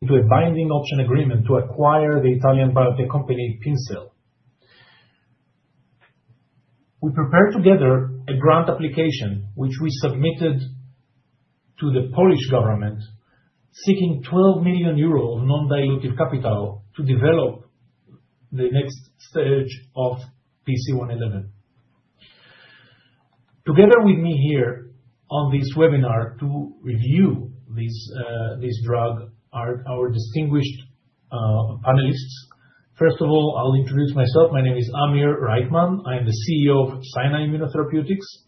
Into a binding option agreement to acquire the Italian biotech company Pincell. We prepared together a grant application, which we submitted to the Polish government, seeking 12 million euro of non-dilutive capital to develop the next stage of PC111. Together with me here on this webinar to review this drug are our distinguished panelists. First of all, I'll introduce myself. My name is Amir Reichman. I am the CEO of Scinai Immunotherapeutics.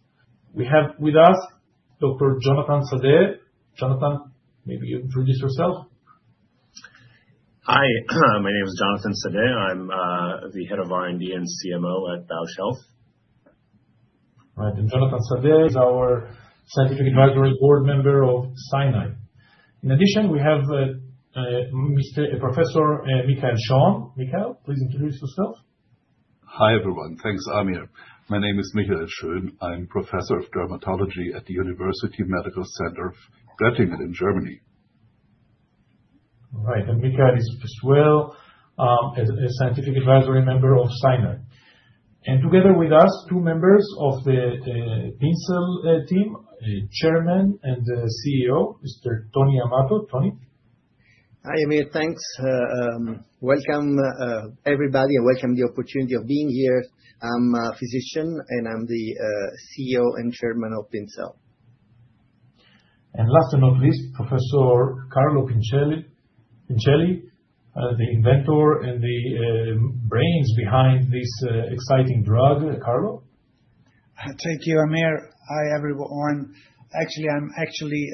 We have with us Dr. Jonathan Sadeh. Jonathan, maybe you introduce yourself. Hi. My name is Jonathan Sadeh. I'm the head of R&D and CMO at BioShelf. All right. Jonathan Sadeh is our scientific advisory board member of Scinai. In addition, we have Professor Michael Schön. Michael, please introduce yourself. Hi everyone. Thanks, Amir. My name is Michael Schön. I'm professor of dermatology at the University Medical Center of Göttingen in Germany. All right. Michael is as well a scientific advisory member of Scinai. Together with us, two members of the Pincell team, Chairman and CEO, Mr. Tony Amato. Tony? Hi, Amir. Thanks. Welcome, everybody, and welcome the opportunity of being here. I'm a physician, and I'm the CEO and chairman of Pincell. Last but not least, Professor Carlo Pincelli, the inventor and the brains behind this exciting drug. Carlo? Thank you, Amir. Hi, everyone. Actually, I'm actually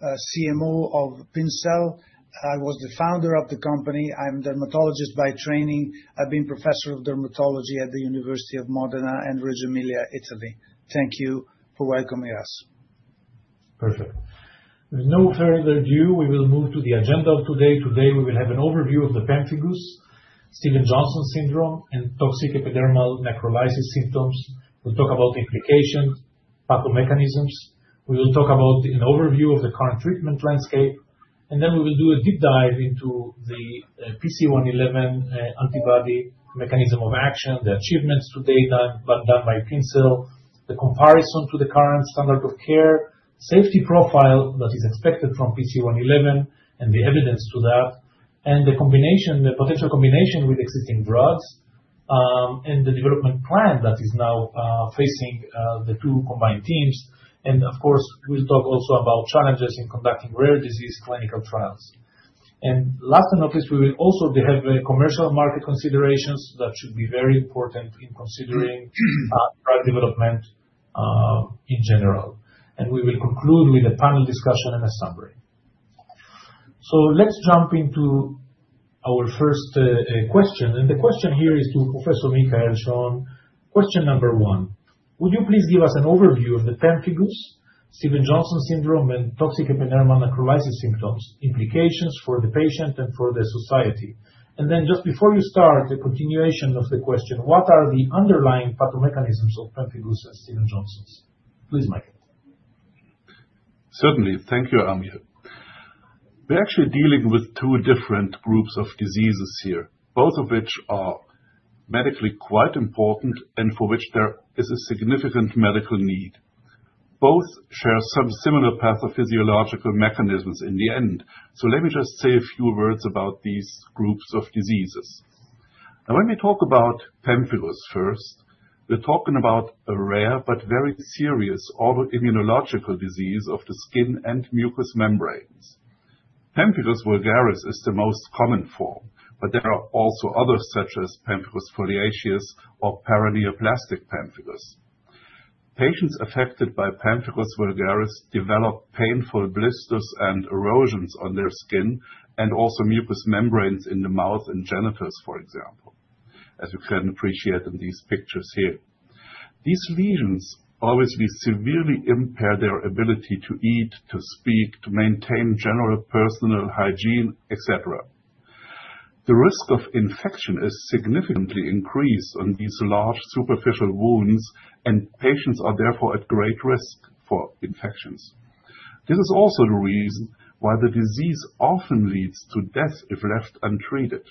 CMO of Pincell. I was the founder of the company. I'm a dermatologist by training. I've been a professor of dermatology at the University of Modena and Reggio Emilia, Italy. Thank you for welcoming us. Perfect. With no further ado, we will move to the agenda of today. Today, we will have an overview of the pemphigus, Stevens-Johnson syndrome, and toxic epidermal necrolysis symptoms. We'll talk about implications, pathomechanisms. We will talk about an overview of the current treatment landscape. We will do a deep dive into the PC111 antibody mechanism of action, the achievements to date done by Pincell, the comparison to the current standard of care, safety profile that is expected from PC111, and the evidence to that, and the potential combination with existing drugs, and the development plan that is now facing the two combined teams. Of course, we'll talk also about challenges in conducting rare disease clinical trials. Last but not least, we will also have commercial market considerations that should be very important in considering drug development in general. We will conclude with a panel discussion and a summary. Let's jump into our first question. The question here is to Professor Michael Schön. Question number one, would you please give us an overview of the pemphigus, Stevens-Johnson syndrome, and toxic epidermal necrolysis symptoms, implications for the patient and for the society? Just before you start, a continuation of the question, what are the underlying pathomechanisms of pemphigus and Stevens-Johnson? Please, Michael. Certainly. Thank you, Amir. We're actually dealing with two different groups of diseases here, both of which are medically quite important and for which there is a significant medical need. Both share some similar pathophysiological mechanisms in the end. Let me just say a few words about these groups of diseases. When we talk about pemphigus first, we're talking about a rare but very serious autoimmunological disease of the skin and mucous membranes. Pemphigus vulgaris is the most common form, but there are also others such as pemphigus foliaceus or paraneoplastic pemphigus. Patients affected by pemphigus vulgaris develop painful blisters and erosions on their skin and also mucous membranes in the mouth and genitals, for example, as you can appreciate in these pictures here. These lesions obviously severely impair their ability to eat, to speak, to maintain general personal hygiene, etc. The risk of infection is significantly increased on these large superficial wounds, and patients are therefore at great risk for infections. This is also the reason why the disease often leads to death if left untreated.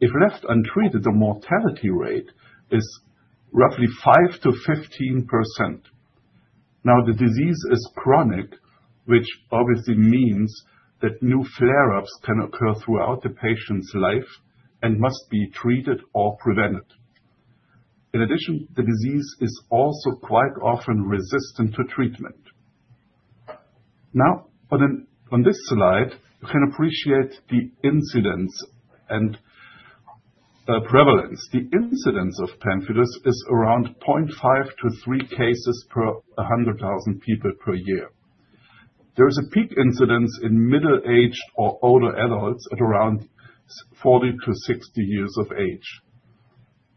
If left untreated, the mortality rate is roughly 5%-15%. Now, the disease is chronic, which obviously means that new flare-ups can occur throughout the patient's life and must be treated or prevented. In addition, the disease is also quite often resistant to treatment. Now, on this slide, you can appreciate the incidence and prevalence. The incidence of pemphigus is around 0.5-3 cases per 100,000 people per year. There is a peak incidence in middle-aged or older adults at around 40-60 years of age.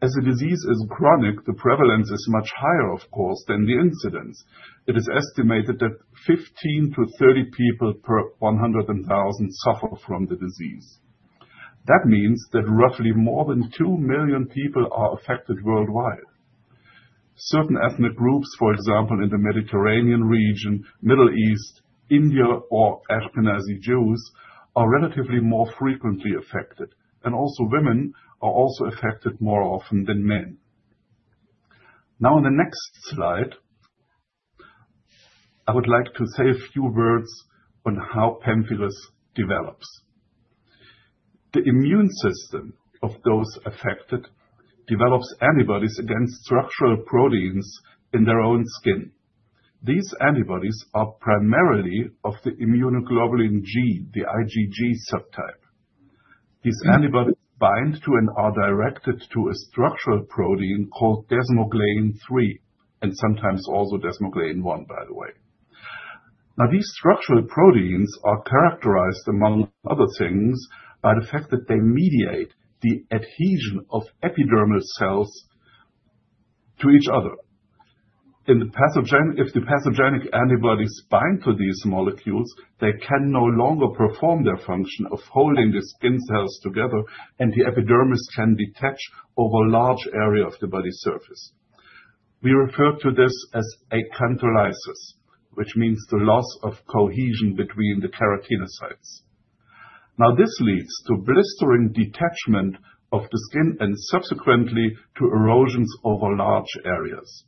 As the disease is chronic, the prevalence is much higher, of course, than the incidence. It is estimated that 15-30 people per 100,000 suffer from the disease. That means that roughly more than 2 million people are affected worldwide. Certain ethnic groups, for example, in the Mediterranean region, Middle East, India, or Ashkenazi Jews, are relatively more frequently affected. Also, women are also affected more often than men. Now, on the next slide, I would like to say a few words on how pemphigus develops. The immune system of those affected develops antibodies against structural proteins in their own skin. These antibodies are primarily of the immunoglobulin G, the IgG subtype. These antibodies bind to and are directed to a structural protein called desmoglein 3, and sometimes also desmoglein 1, by the way. Now, these structural proteins are characterized, among other things, by the fact that they mediate the adhesion of epidermal cells to each other. If the pathogenic antibodies bind to these molecules, they can no longer perform their function of holding the skin cells together, and the epidermis can detach over a large area of the body surface. We refer to this as acantholysis, which means the loss of cohesion between the keratinocytes. Now, this leads to blistering detachment of the skin and subsequently to erosions over large areas.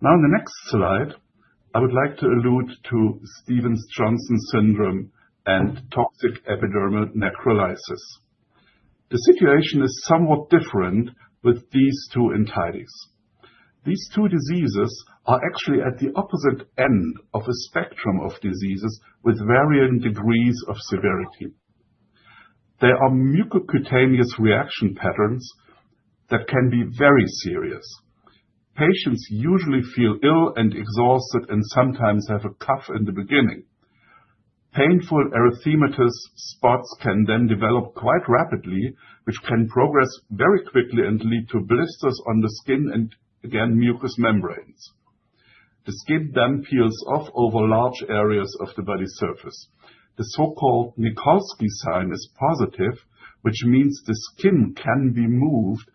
Now, in the next slide, I would like to allude to Stevens-Johnson syndrome and toxic epidermal necrolysis. The situation is somewhat different with these two entities. These two diseases are actually at the opposite end of a spectrum of diseases with varying degrees of severity. There are mucocutaneous reaction patterns that can be very serious. Patients usually feel ill and exhausted and sometimes have a cough in the beginning. Painful, erythematous spots can then develop quite rapidly, which can progress very quickly and lead to blisters on the skin and, again, mucous membranes. The skin then peels off over large areas of the body surface. The so-called Nikolsky sign is positive, which means the skin can be moved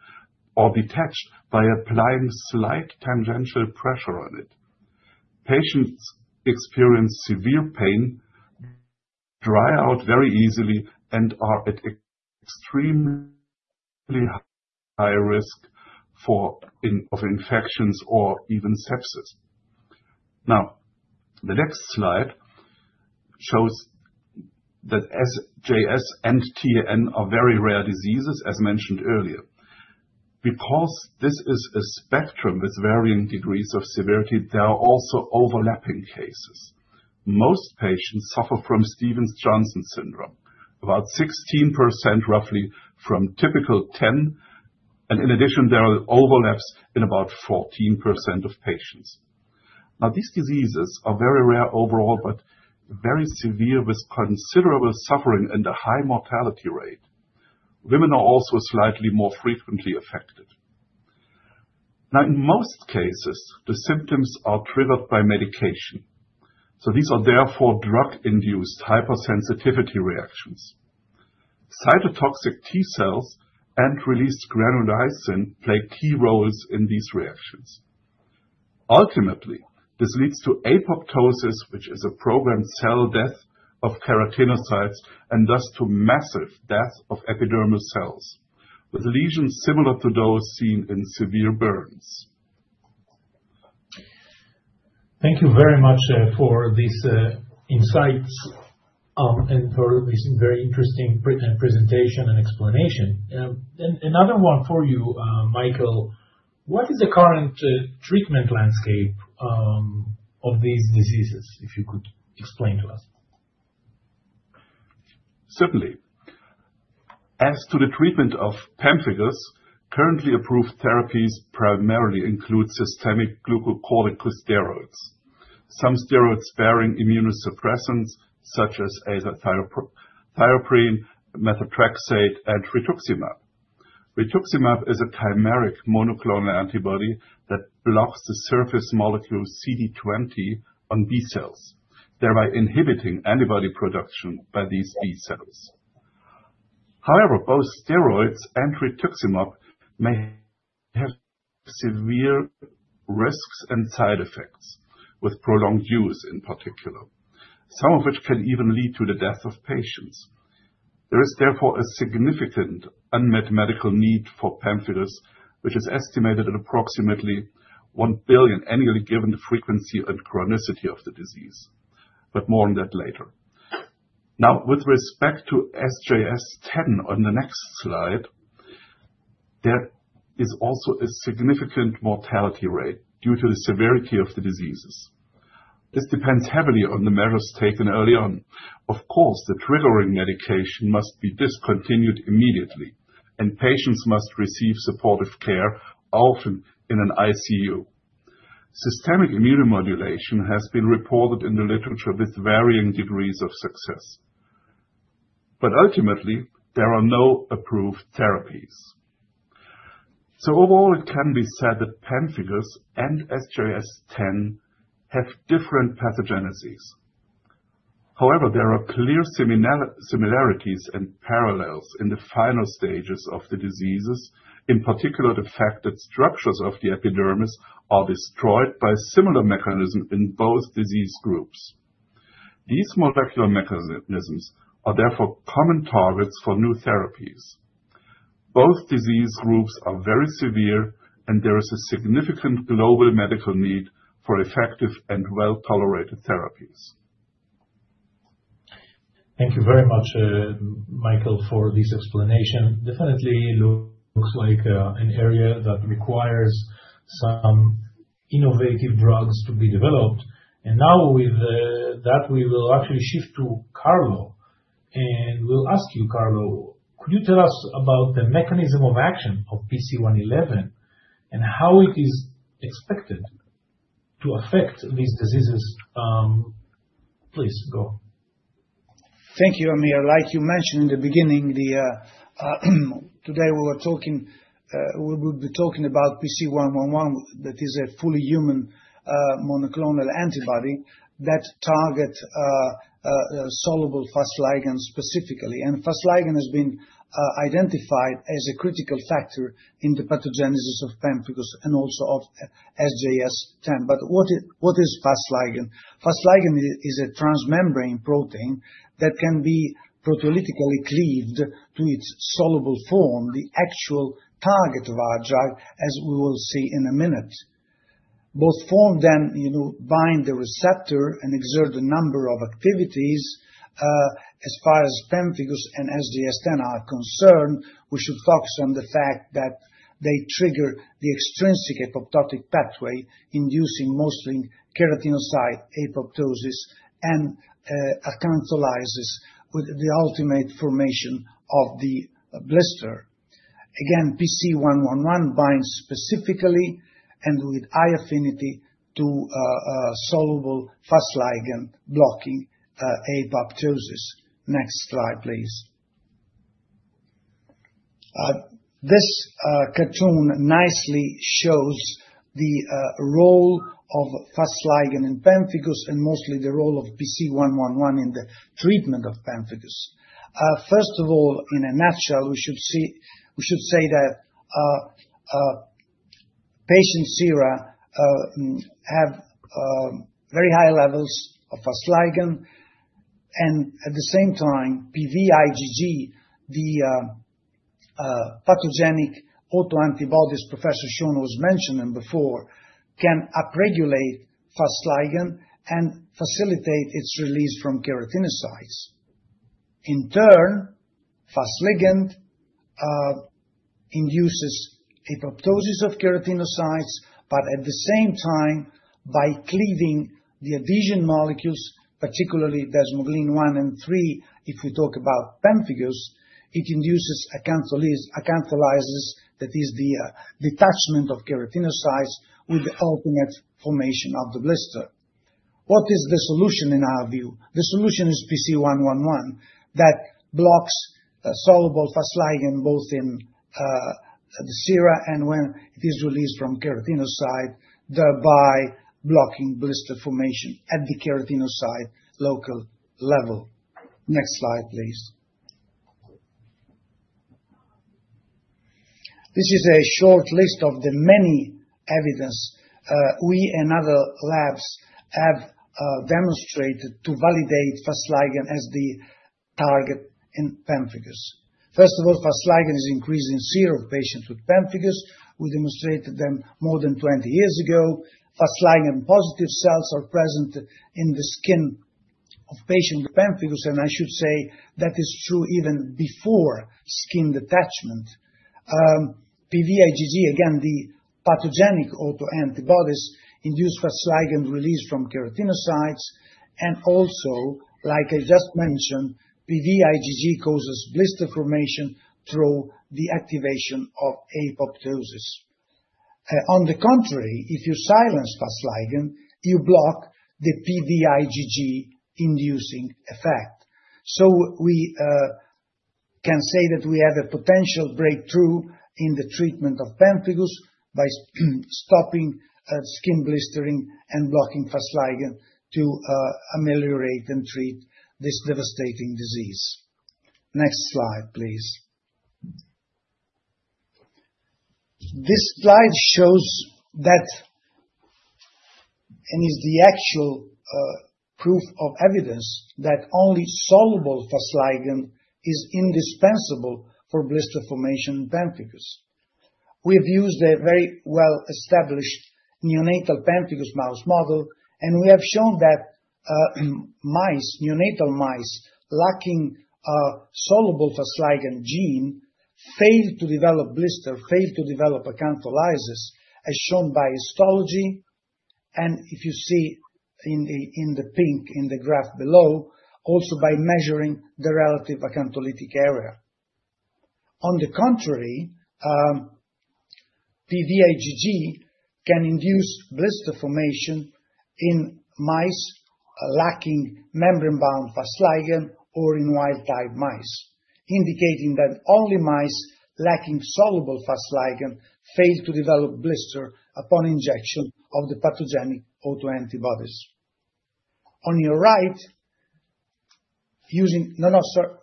or detached by applying slight tangential pressure on it. Patients experience severe pain, dry out very easily, and are at extremely high risk of infections or even sepsis. Now, the next slide shows that SJS and TEN are very rare diseases, as mentioned earlier. Because this is a spectrum with varying degrees of severity, there are also overlapping cases. Most patients suffer from Stevens-Johnson syndrome, about 16% roughly from typical TEN. In addition, there are overlaps in about 14% of patients. Now, these diseases are very rare overall, but very severe with considerable suffering and a high mortality rate. Women are also slightly more frequently affected. In most cases, the symptoms are triggered by medication. These are therefore drug-induced hypersensitivity reactions. Cytotoxic T cells and released granulysin play key roles in these reactions. Ultimately, this leads to apoptosis, which is a programmed cell death of keratinocytes, and thus to massive death of epidermal cells, with lesions similar to those seen in severe burns. Thank you very much for these insights and for this very interesting presentation and explanation. Another one for you, Michael. What is the current treatment landscape of these diseases, if you could explain to us? Certainly. As to the treatment of pemphigus, currently approved therapies primarily include systemic glucocorticoid steroids, some steroid-sparing immunosuppressants such as azathioprine, methotrexate, and rituximab. Rituximab is a chimeric monoclonal antibody that blocks the surface molecule CD20 on B cells, thereby inhibiting antibody production by these B cells. However, both steroids and rituximab may have severe risks and side effects, with prolonged use in particular, some of which can even lead to the death of patients. There is therefore a significant unmet medical need for pemphigus, which is estimated at approximately $1 billion annually given the frequency and chronicity of the disease. More on that later. Now, with respect to SJS/TEN, on the next slide, there is also a significant mortality rate due to the severity of the diseases. This depends heavily on the measures taken early on. Of course, the triggering medication must be discontinued immediately, and patients must receive supportive care, often in an ICU. Systemic immunomodulation has been reported in the literature with varying degrees of success. Ultimately, there are no approved therapies. Overall, it can be said that pemphigus and SJS/TEN have different pathogeneses. However, there are clear similarities and parallels in the final stages of the diseases, in particular the fact that structures of the epidermis are destroyed by similar mechanisms in both disease groups. These molecular mechanisms are therefore common targets for new therapies. Both disease groups are very severe, and there is a significant global medical need for effective and well-tolerated therapies. Thank you very much, Michael, for this explanation. Definitely, it looks like an area that requires some innovative drugs to be developed. Now, with that, we will actually shift to Carlo. We'll ask you, Carlo, could you tell us about the mechanism of action of PC111 and how it is expected to affect these diseases? Please, go. Thank you, Amir. Like you mentioned in the beginning, today we were talking about PC111, that is a fully human monoclonal antibody that targets soluble Fas Ligand specifically. Fas Ligand has been identified as a critical factor in the pathogenesis of pemphigus and also of SJS/TEN. What is Fas Ligand? Fas Ligand is a transmembrane protein that can be proteolytically cleaved to its soluble form, the actual target of our drug, as we will see in a minute. Both forms then bind the receptor and exert a number of activities. As far as pemphigus and SJS/TEN are concerned, we should focus on the fact that they trigger the extrinsic apoptotic pathway, inducing mostly keratinocyte apoptosis and acantholysis with the ultimate formation of the blister. Again, PC111 binds specifically and with high affinity to soluble Fas Ligand, blocking apoptosis. Next slide, please. This cartoon nicely shows the role of Fas Ligand in pemphigus and mostly the role of PC111 in the treatment of pemphigus. First of all, in a nutshell, we should say that patients here have very high levels of Fas Ligand. At the same time, PV IgG, the pathogenic autoantibodies Professor Schön was mentioning before, can upregulate Fas Ligand and facilitate its release from keratinocytes. In turn, Fas Ligand induces apoptosis of keratinocytes, but at the same time, by cleaving the adhesion molecules, particularly desmoglein 1 and 3, if we talk about pemphigus, it induces acantholysis, that is, the detachment of keratinocytes with the ultimate formation of the blister. What is the solution in our view? The solution is PC111 that blocks soluble Fas Ligand both in the serum and when it is released from keratinocyte, thereby blocking blister formation at the keratinocyte local level. Next slide, please. This is a short list of the many evidences we and other labs have demonstrated to validate Fas Ligand as the target in pemphigus. First of all, Fas Ligand is increased in serum patients with pemphigus. We demonstrated them more than 20 years ago. Fas Ligand-positive cells are present in the skin of patients with pemphigus, and I should say that is true even before skin detachment. PV IgG, again, the pathogenic autoantibodies, induce Fas Ligand release from keratinocytes. Also, like I just mentioned, PV IgG causes blister formation through the activation of apoptosis. On the contrary, if you silence Fas Ligand, you block the PV IgG-inducing effect. We can say that we have a potential breakthrough in the treatment of pemphigus by stopping skin blistering and blocking Fas Ligand to ameliorate and treat this devastating disease. Next slide, please. This slide shows that and is the actual proof of evidence that only soluble Fas Ligand is indispensable for blister formation in pemphigus. We have used a very well-established neonatal pemphigus mouse model, and we have shown that mice, neonatal mice, lacking a soluble Fas Ligand gene failed to develop blister, failed to develop acantholysis, as shown by histology. If you see in the pink in the graph below, also by measuring the relative acantholytic area. On the contrary, PV IgG can induce blister formation in mice lacking membrane-bound Fas Ligand or in wild-type mice, indicating that only mice lacking soluble Fas Ligand fail to develop blister upon injection of the pathogenic autoantibodies. On your right, using the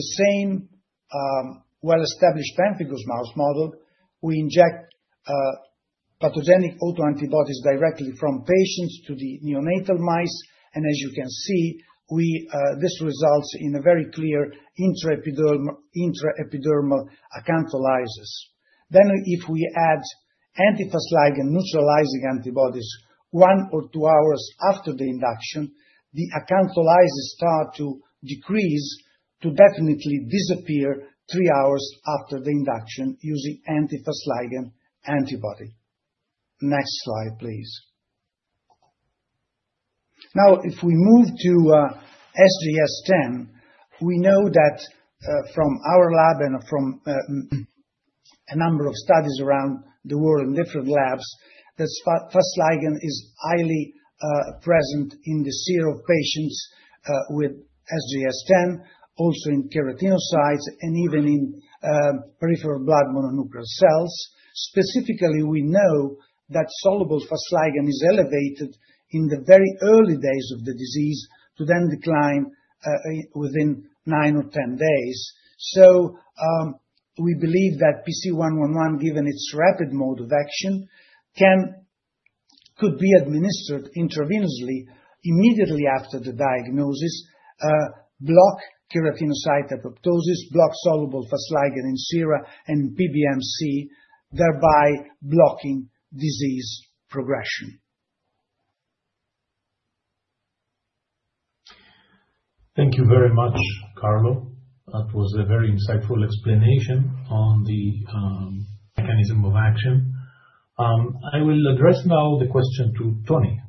same well-established pemphigus mouse model, we inject pathogenic autoantibodies directly from patients to the neonatal mice. As you can see, this results in a very clear intraepidermal acantholysis. If we add anti-Fas ligand neutralizing antibodies one or two hours after the induction, the acantholysis starts to decrease to definitely disappear three hours after the induction using anti-Fas ligand antibody. Next slide, please. Now, if we move to SJS/TEN, we know that from our lab and from a number of studies around the world in different labs, that Fas ligand is highly present in the serum of patients with SJS/TEN, also in keratinocytes, and even in peripheral blood mononuclear cells. Specifically, we know that soluble Fas ligand is elevated in the very early days of the disease to then decline within 9 or 10 days. We believe that PC111, given its rapid mode of action, could be administered intravenously immediately after the diagnosis, block keratinocyte apoptosis, block soluble Fas ligand in serum and PBMC, thereby blocking disease progression. Thank you very much, Carlo. That was a very insightful explanation on the mechanism of action. I will address now the question to Tony,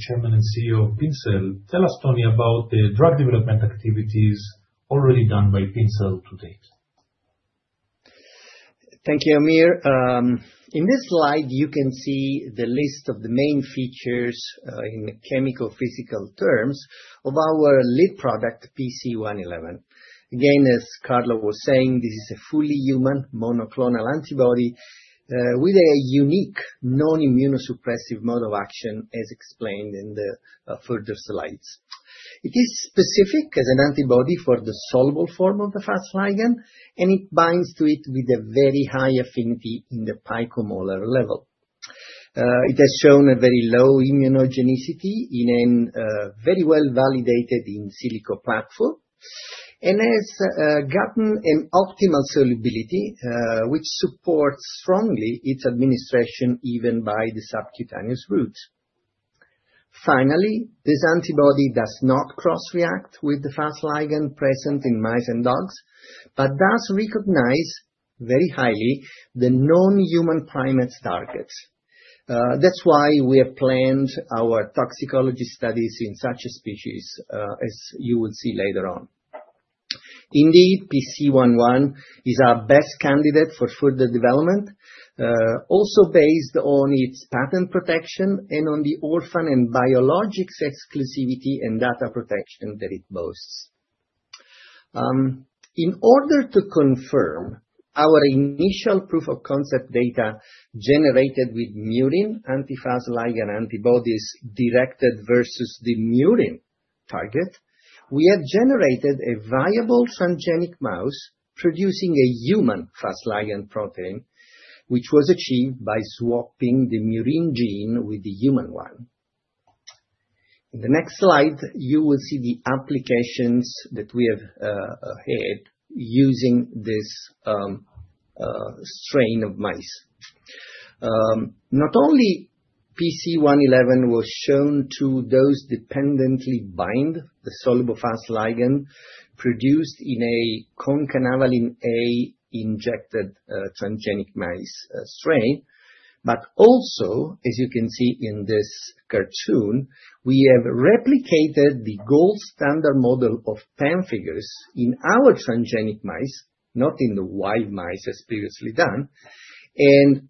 Chairman and CEO of Pincell. Tell us, Tony, about the drug development activities already done by Pincell to date. Thank you, Amir. In this slide, you can see the list of the main features in chemical-physical terms of our lead product, PC111. Again, as Carlo was saying, this is a fully human monoclonal antibody with a unique non-immunosuppressive mode of action, as explained in the further slides. It is specific as an antibody for the soluble form of the Fas Ligand, and it binds to it with a very high affinity in the pico-molar level. It has shown a very low immunogenicity, in a very well-validated in silico platform, and has gotten an optimal solubility, which supports strongly its administration even by the subcutaneous route. Finally, this antibody does not cross-react with the Fas Ligand present in mice and dogs, but does recognize very highly the non-human primates' targets. That's why we have planned our toxicology studies in such a species, as you will see later on. Indeed, PC111 is our best candidate for further development, also based on its patent protection and on the orphan and biologics exclusivity and data protection that it boasts. In order to confirm our initial proof of concept data generated with murine anti-Fas ligand antibodies directed versus the murine target, we have generated a viable transgenic mouse producing a human Fas ligand protein, which was achieved by swapping the murine gene with the human one. In the next slide, you will see the applications that we have had using this strain of mice. Not only PC111 was shown to dose-dependently bind the soluble Fas ligand produced in a concanavalin A injected transgenic mice strain, but also, as you can see in this cartoon, we have replicated the gold standard model of pemphigus in our transgenic mice, not in the wild mice as previously done.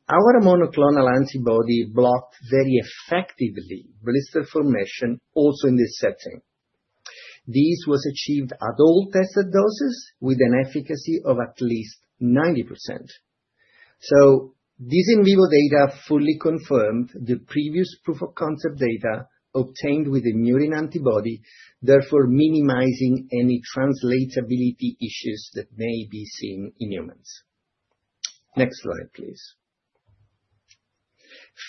Our monoclonal antibody blocked very effectively blister formation also in this setting. This was achieved at all tested doses with an efficacy of at least 90%. This in vivo data fully confirmed the previous proof of concept data obtained with the murine antibody, therefore minimizing any translatability issues that may be seen in humans. Next slide, please.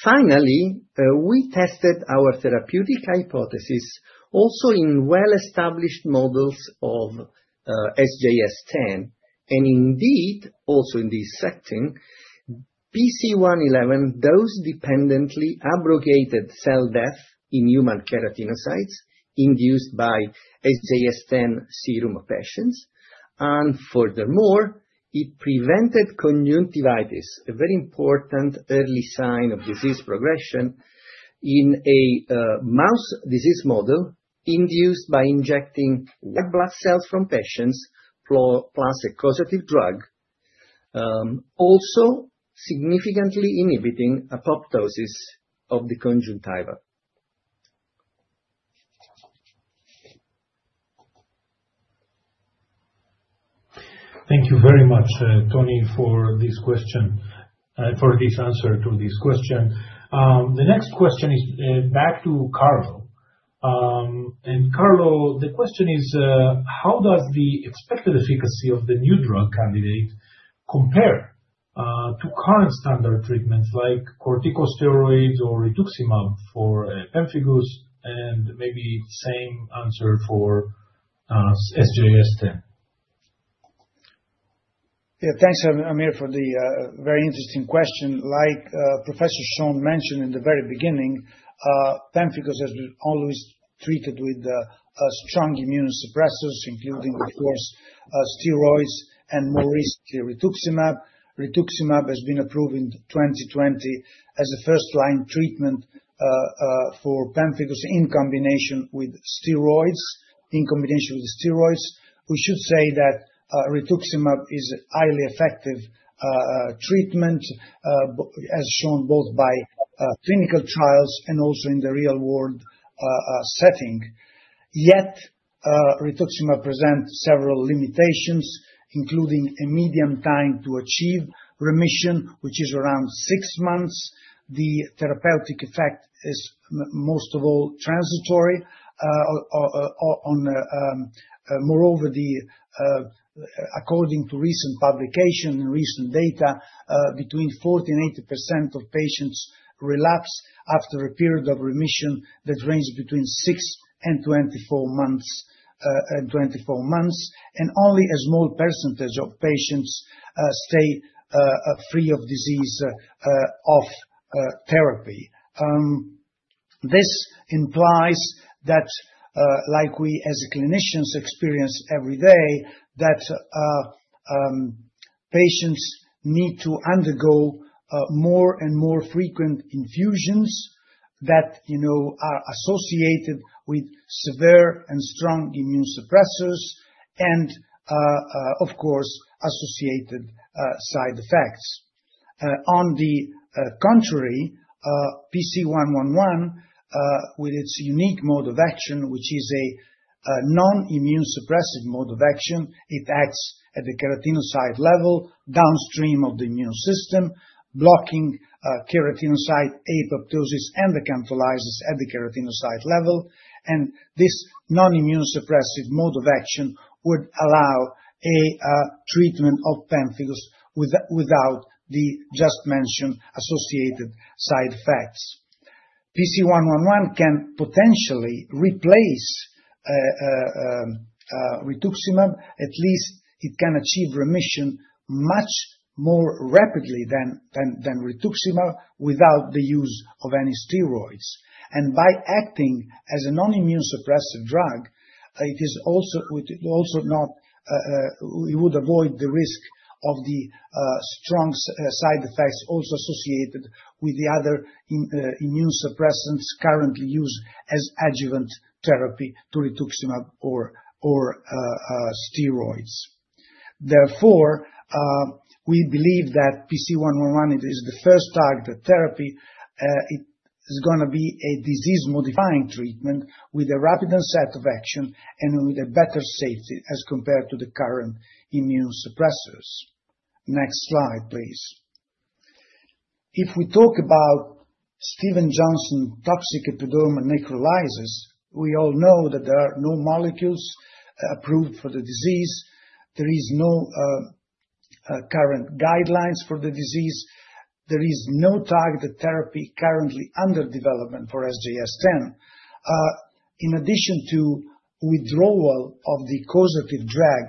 Finally, we tested our therapeutic hypothesis also in well-established models of SJS/TEN. Indeed, also in this setting, PC111 dose-dependently abrogated cell death in human keratinocytes induced by SJS/TEN serum of patients. Furthermore, it prevented conjunctivitis, a very important early sign of disease progression in a mouse disease model induced by injecting white blood cells from patients plus a causative drug, also significantly inhibiting apoptosis of the conjunctiva. Thank you very much, Tony, for this question, for this answer to this question. The next question is back to Carlo. Carlo, the question is, how does the expected efficacy of the new drug candidate compare to current standard treatments like corticosteroids or rituximab for pemphigus? Maybe the same answer for SJS/TEN. Yeah, thanks, Amir, for the very interesting question. Like Professor Schön mentioned in the very beginning, pemphigus has been always treated with strong immunosuppressors, including, of course, steroids and more recently rituximab. Rituximab has been approved in 2020 as a first-line treatment for pemphigus in combination with steroids, in combination with steroids. We should say that rituximab is a highly effective treatment, as shown both by clinical trials and also in the real-world setting. Yet rituximab presents several limitations, including a median time to achieve remission, which is around six months. The therapeutic effect is most of all transitory. Moreover, according to recent publications and recent data, between 40% and 80% of patients relapse after a period of remission that ranges between 6 and 24 months. Only a small percentage of patients stay free of disease off therapy. This implies that, like we as clinicians experience every day, patients need to undergo more and more frequent infusions that are associated with severe and strong immunosuppressors and, of course, associated side effects. On the contrary, PC111, with its unique mode of action, which is a non-immunosuppressive mode of action, acts at the keratinocyte level downstream of the immune system, blocking keratinocyte apoptosis and acantholysis at the keratinocyte level. This non-immunosuppressive mode of action would allow a treatment of pemphigus without the just-mentioned associated side effects. PC111 can potentially replace rituximab. At least it can achieve remission much more rapidly than rituximab without the use of any steroids. By acting as a non-immunosuppressive drug, it would also avoid the risk of the strong side effects also associated with the other immunosuppressants currently used as adjuvant therapy to rituximab or steroids. Therefore, we believe that PC111, it is the first targeted therapy. It is going to be a disease-modifying treatment with a rapid set of action and with a better safety as compared to the current immunosuppressors. Next slide, please. If we talk about Stevens-Johnson toxic epidermal necrolysis, we all know that there are no molecules approved for the disease. There are no current guidelines for the disease. There is no targeted therapy currently under development for SJS/TEN. In addition to withdrawal of the causative drug,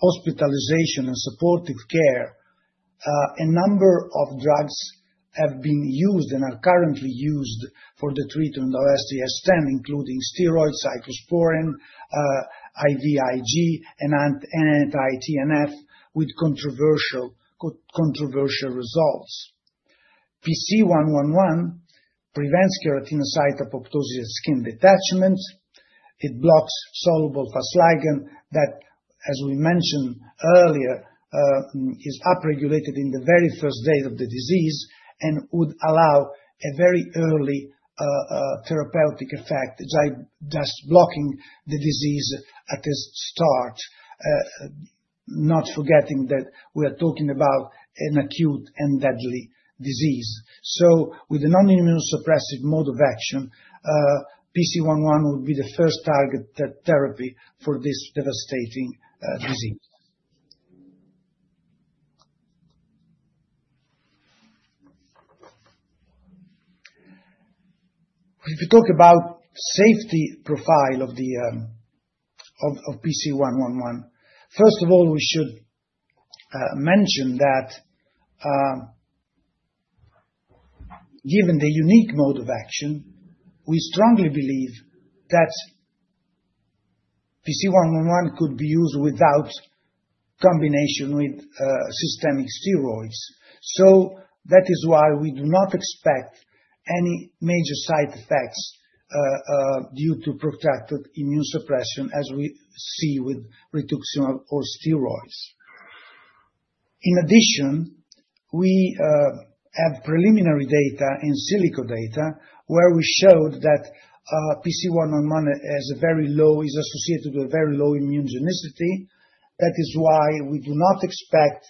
hospitalization, and supportive care, a number of drugs have been used and are currently used for the treatment of SJS/TEN, including steroids, cyclosporine, IVIG, and anti-TNF with controversial results. PC111 prevents keratinocyte apoptosis at skin detachment. It blocks soluble Fas Ligand that, as we mentioned earlier, is upregulated in the very first days of the disease and would allow a very early therapeutic effect, just blocking the disease at its start, not forgetting that we are talking about an acute and deadly disease. With the non-immunosuppressive mode of action, PC111 would be the first targeted therapy for this devastating disease. If we talk about the safety profile of PC111, first of all, we should mention that given the unique mode of action, we strongly believe that PC111 could be used without combination with systemic steroids. That is why we do not expect any major side effects due to protracted immunosuppression, as we see with rituximab or steroids. In addition, we have preliminary in silico data where we showed that PC111 is associated with a very low immunogenicity. That is why we do not expect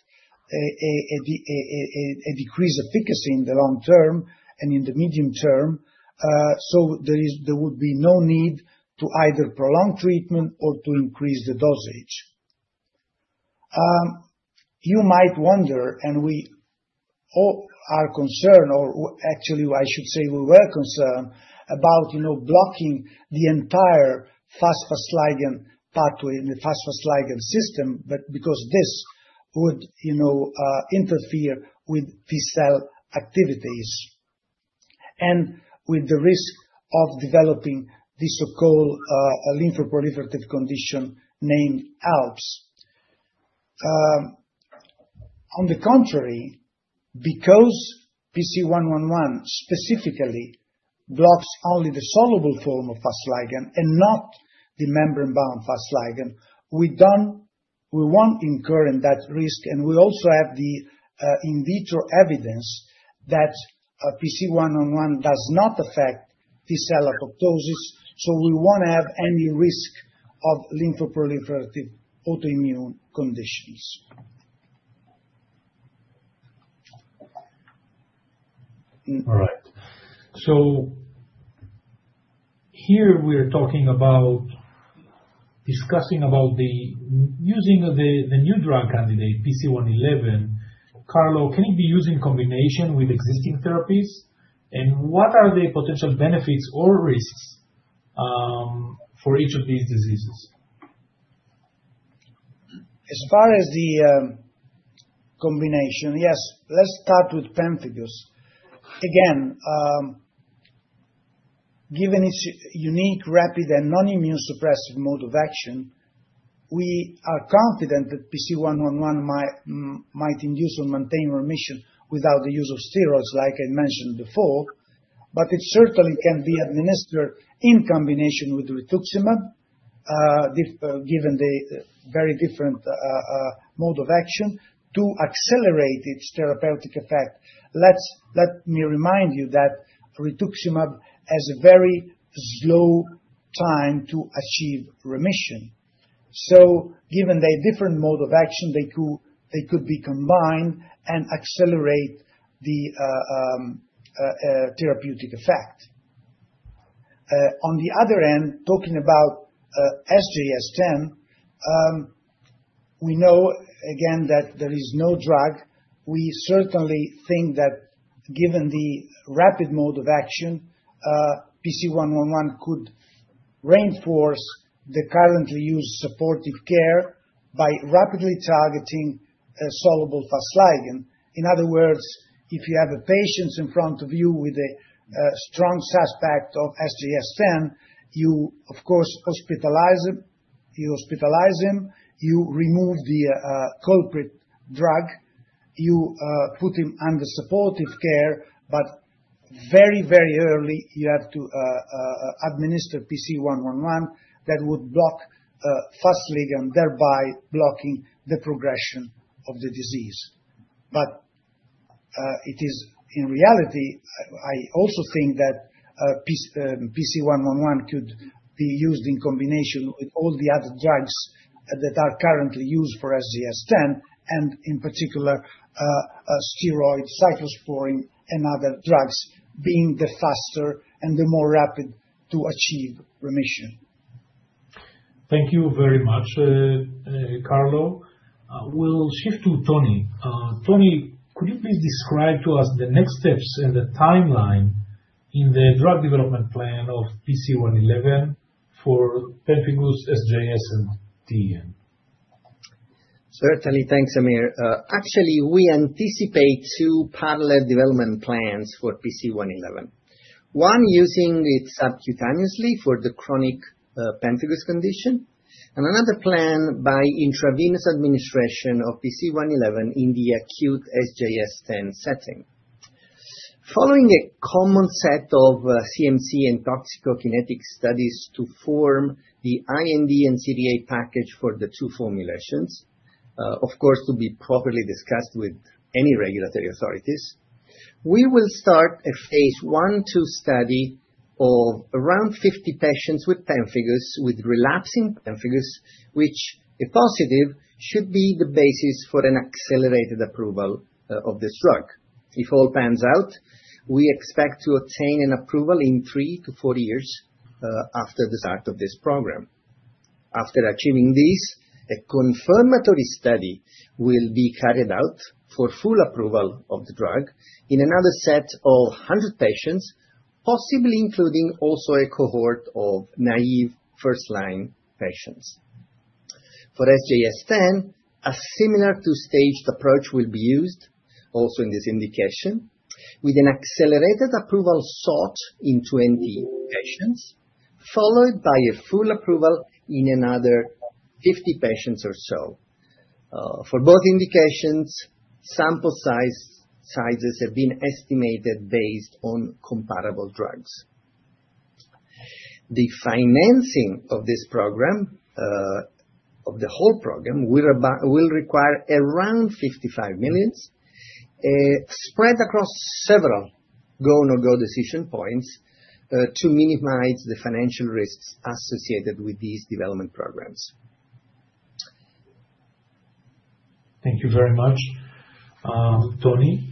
a decrease of efficacy in the long term and in the medium term. There would be no need to either prolong treatment or to increase the dosage. You might wonder, and we are concerned, or actually, I should say we were concerned about blocking the entire Fas Ligand pathway in the Fas Ligand system because this would interfere with T-cell activities and with the risk of developing the so-called lymphoproliferative condition named ALPS. On the contrary, because PC111 specifically blocks only the soluble form of Fas Ligand and not the membrane-bound Fas Ligand, we will not incur that risk. We also have the in vitro evidence that PC111 does not affect T-cell apoptosis. We will not have any risk of lymphoproliferative autoimmune conditions. All right. So here we are talking about discussing about using the new drug candidate, PC111. Carlo, can it be used in combination with existing therapies? And what are the potential benefits or risks for each of these diseases? As far as the combination, yes. Let's start with pemphigus. Again, given its unique, rapid, and non-immunosuppressive mode of action, we are confident that PC111 might induce or maintain remission without the use of steroids, like I mentioned before. It certainly can be administered in combination with rituximab, given the very different mode of action, to accelerate its therapeutic effect. Let me remind you that rituximab has a very slow time to achieve remission. Given the different mode of action, they could be combined and accelerate the therapeutic effect. On the other end, talking about SJS/TEN, we know, again, that there is no drug. We certainly think that given the rapid mode of action, PC111 could reinforce the currently used supportive care by rapidly targeting soluble Fas Ligand. In other words, if you have a patient in front of you with a strong suspect of SJS/TEN, you, of course, hospitalize him. You remove the culprit drug. You put him under supportive care. Very, very early, you have to administer PC111 that would block Fas Ligand, thereby blocking the progression of the disease. In reality, I also think that PC111 could be used in combination with all the other drugs that are currently used for SJS/TEN, and in particular, steroids, cyclosporine, and other drugs, being the faster and the more rapid to achieve remission. Thank you very much, Carlo. We'll shift to Tony. Tony, could you please describe to us the next steps and the timeline in the drug development plan of PC111 for pemphigus, SJST10? Certainly. Thanks, Amir. Actually, we anticipate two parallel development plans for PC111, one using it subcutaneously for the chronic pemphigus condition and another plan by intravenous administration of PC111 in the acute SJS/TEN setting. Following a common set of CMC and toxicokinetic studies to form the IND and CDA package for the two formulations, of course, to be properly discussed with any regulatory authorities, we will start a phase one to study of around 50 patients with pemphigus with relapsing pemphigus, which, if positive, should be the basis for an accelerated approval of this drug. If all pans out, we expect to obtain an approval in three to four years after the start of this program. After achieving this, a confirmatory study will be carried out for full approval of the drug in another set of 100 patients, possibly including also a cohort of naive first-line patients. For SJS/TEN, a similar two-staged approach will be used also in this indication with an accelerated approval sought in 20 patients, followed by a full approval in another 50 patients or so. For both indications, sample sizes have been estimated based on comparable drugs. The financing of this program, of the whole program, will require around 55 million, spread across several go or go decision points to minimize the financial risks associated with these development programs. Thank you very much, Tony.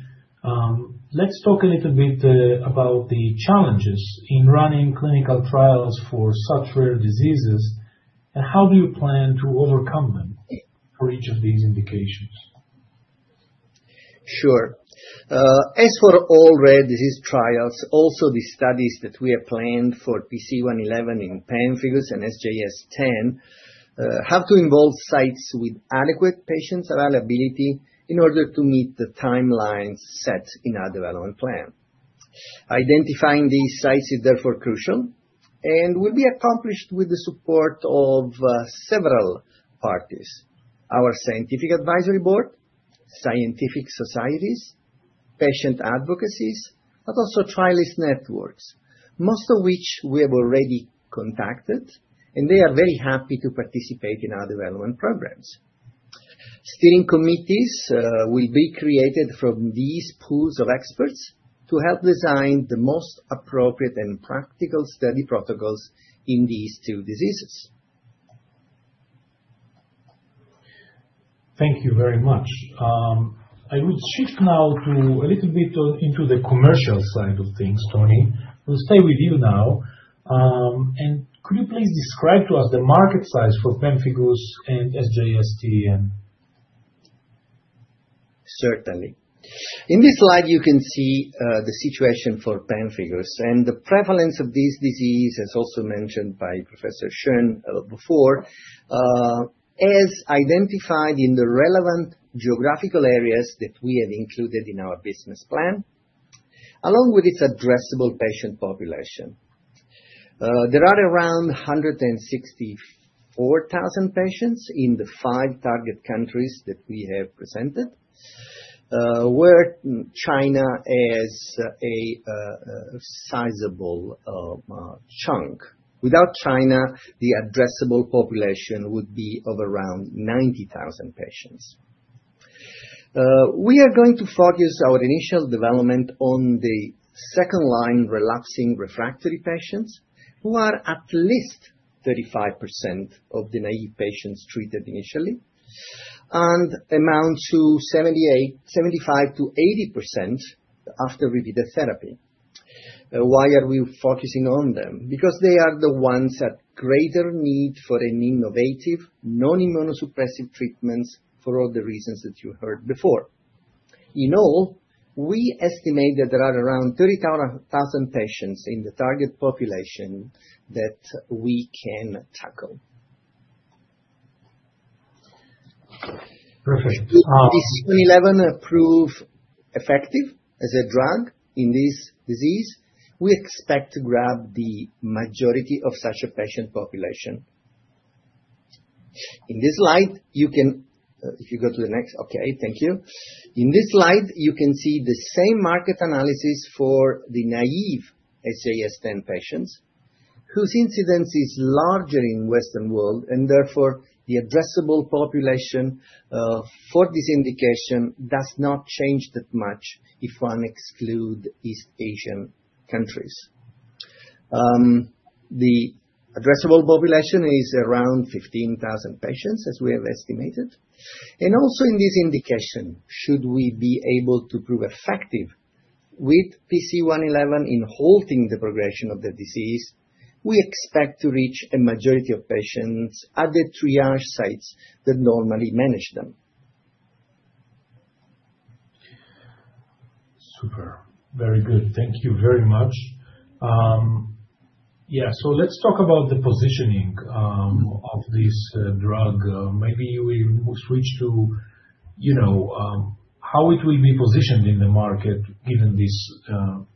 Let's talk a little bit about the challenges in running clinical trials for such rare diseases. How do you plan to overcome them for each of these indications? Sure. As for all rare disease trials, also the studies that we have planned for PC111 in pemphigus and SJS/TEN have to involve sites with adequate patient availability in order to meet the timeline set in our development plan. Identifying these sites is therefore crucial and will be accomplished with the support of several parties: our scientific advisory board, scientific societies, patient advocacy, but also trialist networks, most of which we have already contacted, and they are very happy to participate in our development programs. Steering committees will be created from these pools of experts to help design the most appropriate and practical study protocols in these two diseases. Thank you very much. I would shift now a little bit into the commercial side of things, Tony. We'll stay with you now. Could you please describe to us the market size for pemphigus and SJS/TEN? Certainly. In this slide, you can see the situation for pemphigus and the prevalence of this disease, as also mentioned by Professor Schön before, as identified in the relevant geographical areas that we have included in our business plan, along with its addressable patient population. There are around 164,000 patients in the five target countries that we have presented, where China is a sizable chunk. Without China, the addressable population would be of around 90,000 patients. We are going to focus our initial development on the second-line relapsing refractory patients who are at least 35% of the naive patients treated initially and amount to 75%-80% after repeated therapy. Why are we focusing on them? Because they are the ones at greater need for an innovative non-immunosuppressive treatment for all the reasons that you heard before. In all, we estimate that there are around 30,000 patients in the target population that we can tackle. Perfect. If PC111 proved effective as a drug in this disease, we expect to grab the majority of such a patient population. In this slide, you can—if you go to the next—okay, thank you. In this slide, you can see the same market analysis for the naive SJS/TEN patients, whose incidence is larger in the Western world. Therefore, the addressable population for this indication does not change that much if one excludes East Asian countries. The addressable population is around 15,000 patients, as we have estimated. Also, in this indication, should we be able to prove effective with PC111 in halting the progression of the disease, we expect to reach a majority of patients at the triage sites that normally manage them. Super. Very good. Thank you very much. Yeah. Let's talk about the positioning of this drug. Maybe we will switch to how it will be positioned in the market given these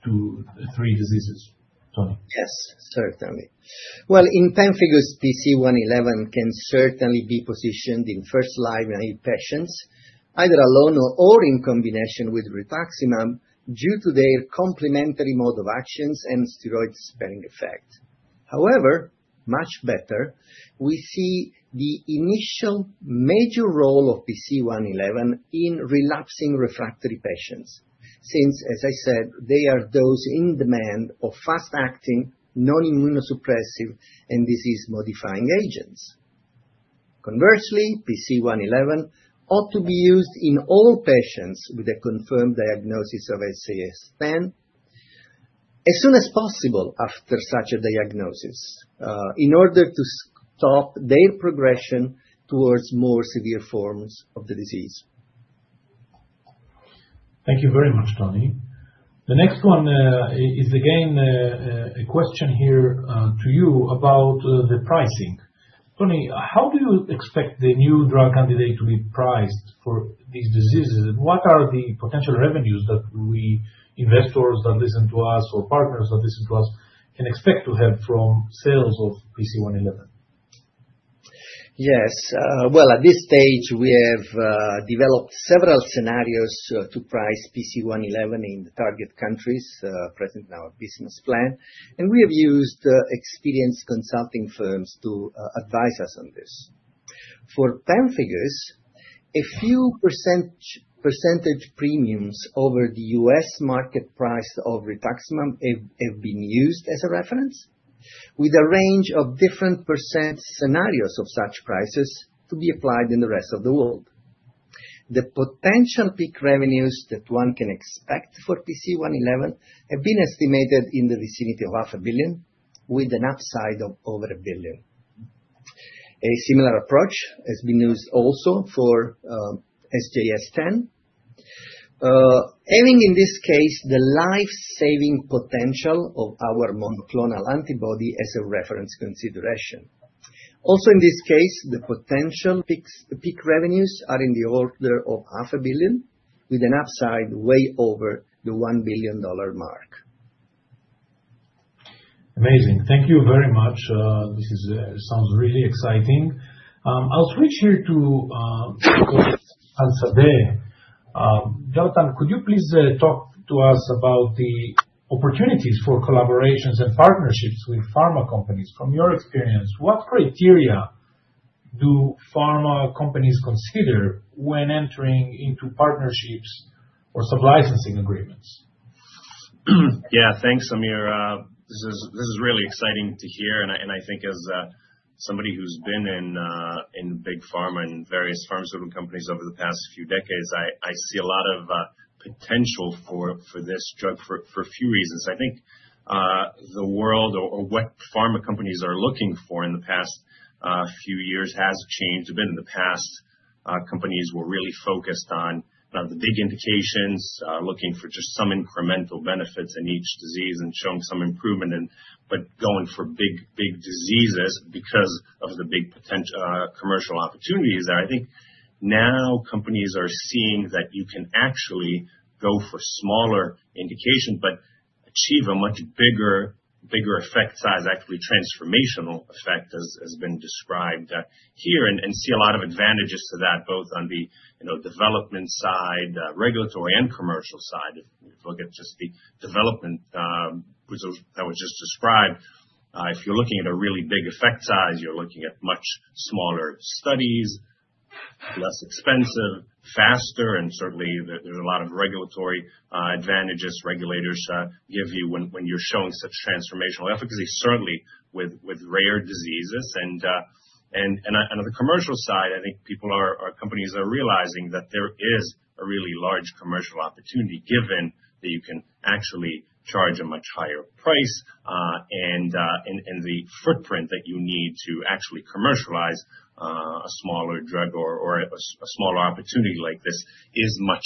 two or three diseases, Tony. Yes, certainly. In pemphigus, PC111 can certainly be positioned in first-line naive patients, either alone or in combination with rituximab due to their complementary mode of actions and steroid-sparing effect. However, much better, we see the initial major role of PC111 in relapsing refractory patients since, as I said, they are those in demand of fast-acting non-immunosuppressive and disease-modifying agents. Conversely, PC111 ought to be used in all patients with a confirmed diagnosis of SJS/TEN as soon as possible after such a diagnosis in order to stop their progression towards more severe forms of the disease. Thank you very much, Tony. The next one is, again, a question here to you about the pricing. Tony, how do you expect the new drug candidate to be priced for these diseases? What are the potential revenues that we investors that listen to us or partners that listen to us can expect to have from sales of PC111? Yes. At this stage, we have developed several scenarios to price PC111 in the target countries present in our business plan. We have used experienced consulting firms to advise us on this. For pemphigus, a few % premiums over the U.S. market price of rituximab have been used as a reference, with a range of different % scenarios of such prices to be applied in the rest of the world. The potential peak revenues that one can expect for PC111 have been estimated in the vicinity of $500,000,000, with an upside of over $1 billion. A similar approach has been used also for SJS/TEN, having, in this case, the life-saving potential of our monoclonal antibody as a reference consideration. Also, in this case, the potential peak revenues are in the order of $500,000,000, with an upside way over the $1 billion mark. Amazing. Thank you very much. This sounds really exciting. I'll switch here to Professor Sadeh. Jonathan, could you please talk to us about the opportunities for collaborations and partnerships with pharma companies? From your experience, what criteria do pharma companies consider when entering into partnerships or sub-licensing agreements? Yeah. Thanks, Amir. This is really exciting to hear. I think, as somebody who's been in big pharma and various pharmaceutical companies over the past few decades, I see a lot of potential for this drug for a few reasons. I think the world or what pharma companies are looking for in the past few years has changed. It's been in the past, companies were really focused on the big indications, looking for just some incremental benefits in each disease and showing some improvement, but going for big diseases because of the big commercial opportunities there. I think now companies are seeing that you can actually go for smaller indications but achieve a much bigger effect size, actually transformational effect, as has been described here, and see a lot of advantages to that, both on the development side, regulatory, and commercial side. If you look at just the development that was just described, if you're looking at a really big effect size, you're looking at much smaller studies, less expensive, faster, and certainly, there's a lot of regulatory advantages regulators give you when you're showing such transformational efficacy, certainly with rare diseases. On the commercial side, I think people or companies are realizing that there is a really large commercial opportunity given that you can actually charge a much higher price, and the footprint that you need to actually commercialize a smaller drug or a smaller opportunity like this is much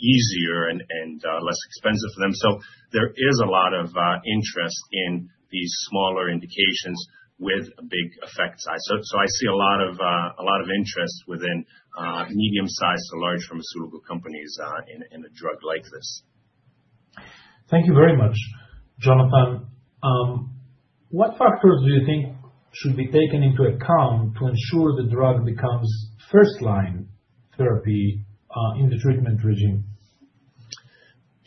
easier and less expensive for them. There is a lot of interest in these smaller indications with a big effect size. I see a lot of interest within medium-sized to large pharmaceutical companies in a drug like this. Thank you very much, Jonathan. What factors do you think should be taken into account to ensure the drug becomes first-line therapy in the treatment regime?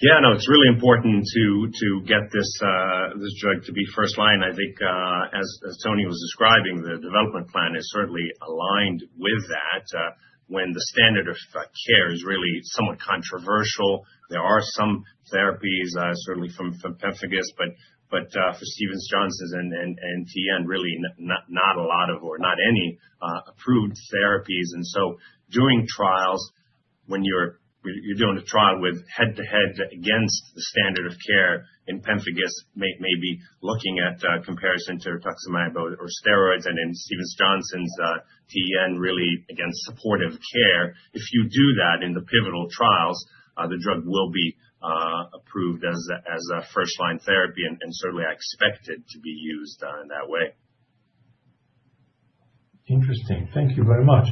Yeah. No, it's really important to get this drug to be first-line. I think, as Tony was describing, the development plan is certainly aligned with that. When the standard of care is really somewhat controversial, there are some therapies, certainly for pemphigus, but for Stevens-Johnson's and TEN, really not a lot of or not any approved therapies. During trials, when you're doing a trial head-to-head against the standard of care in pemphigus, maybe looking at comparison to rituximab or steroids, and in Stevens-Johnson's, TEN really against supportive care, if you do that in the pivotal trials, the drug will be approved as a first-line therapy, and certainly, I expect it to be used in that way. Interesting. Thank you very much.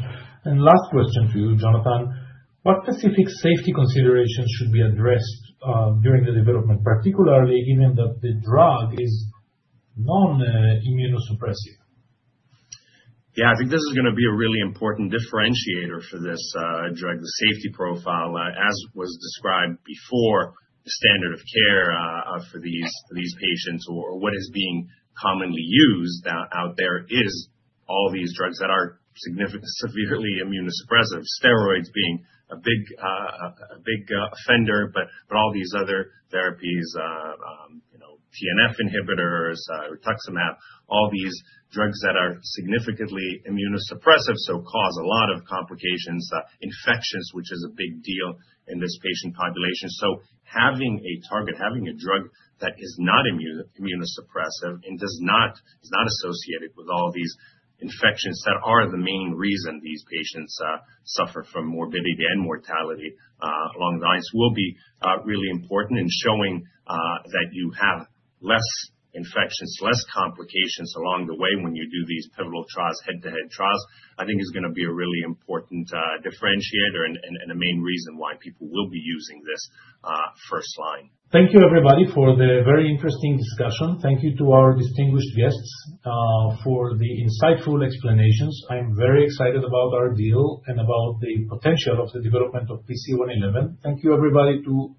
Last question to you, Jonathan. What specific safety considerations should be addressed during the development, particularly given that the drug is non-immunosuppressive? Yeah. I think this is going to be a really important differentiator for this drug, the safety profile, as was described before. The standard of care for these patients or what is being commonly used out there is all these drugs that are severely immunosuppressive, steroids being a big offender, but all these other therapies, TNF inhibitors, rituximab, all these drugs that are significantly immunosuppressive, so cause a lot of complications, infections, which is a big deal in this patient population. Having a target, having a drug that is not immunosuppressive and is not associated with all these infections that are the main reason these patients suffer from morbidity and mortality along the lines will be really important. Showing that you have less infections, less complications along the way when you do these pivotal trials, head-to-head trials, I think is going to be a really important differentiator and a main reason why people will be using this first-line. Thank you, everybody, for the very interesting discussion. Thank you to our distinguished guests for the insightful explanations. I'm very excited about our deal and about the potential of the development of PC111. Thank you, everybody, to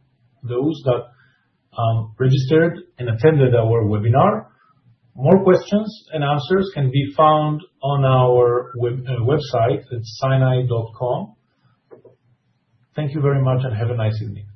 those that registered and attended our webinar. More questions and answers can be found on our website. It's scinai.com. Thank you very much, and have a nice evening.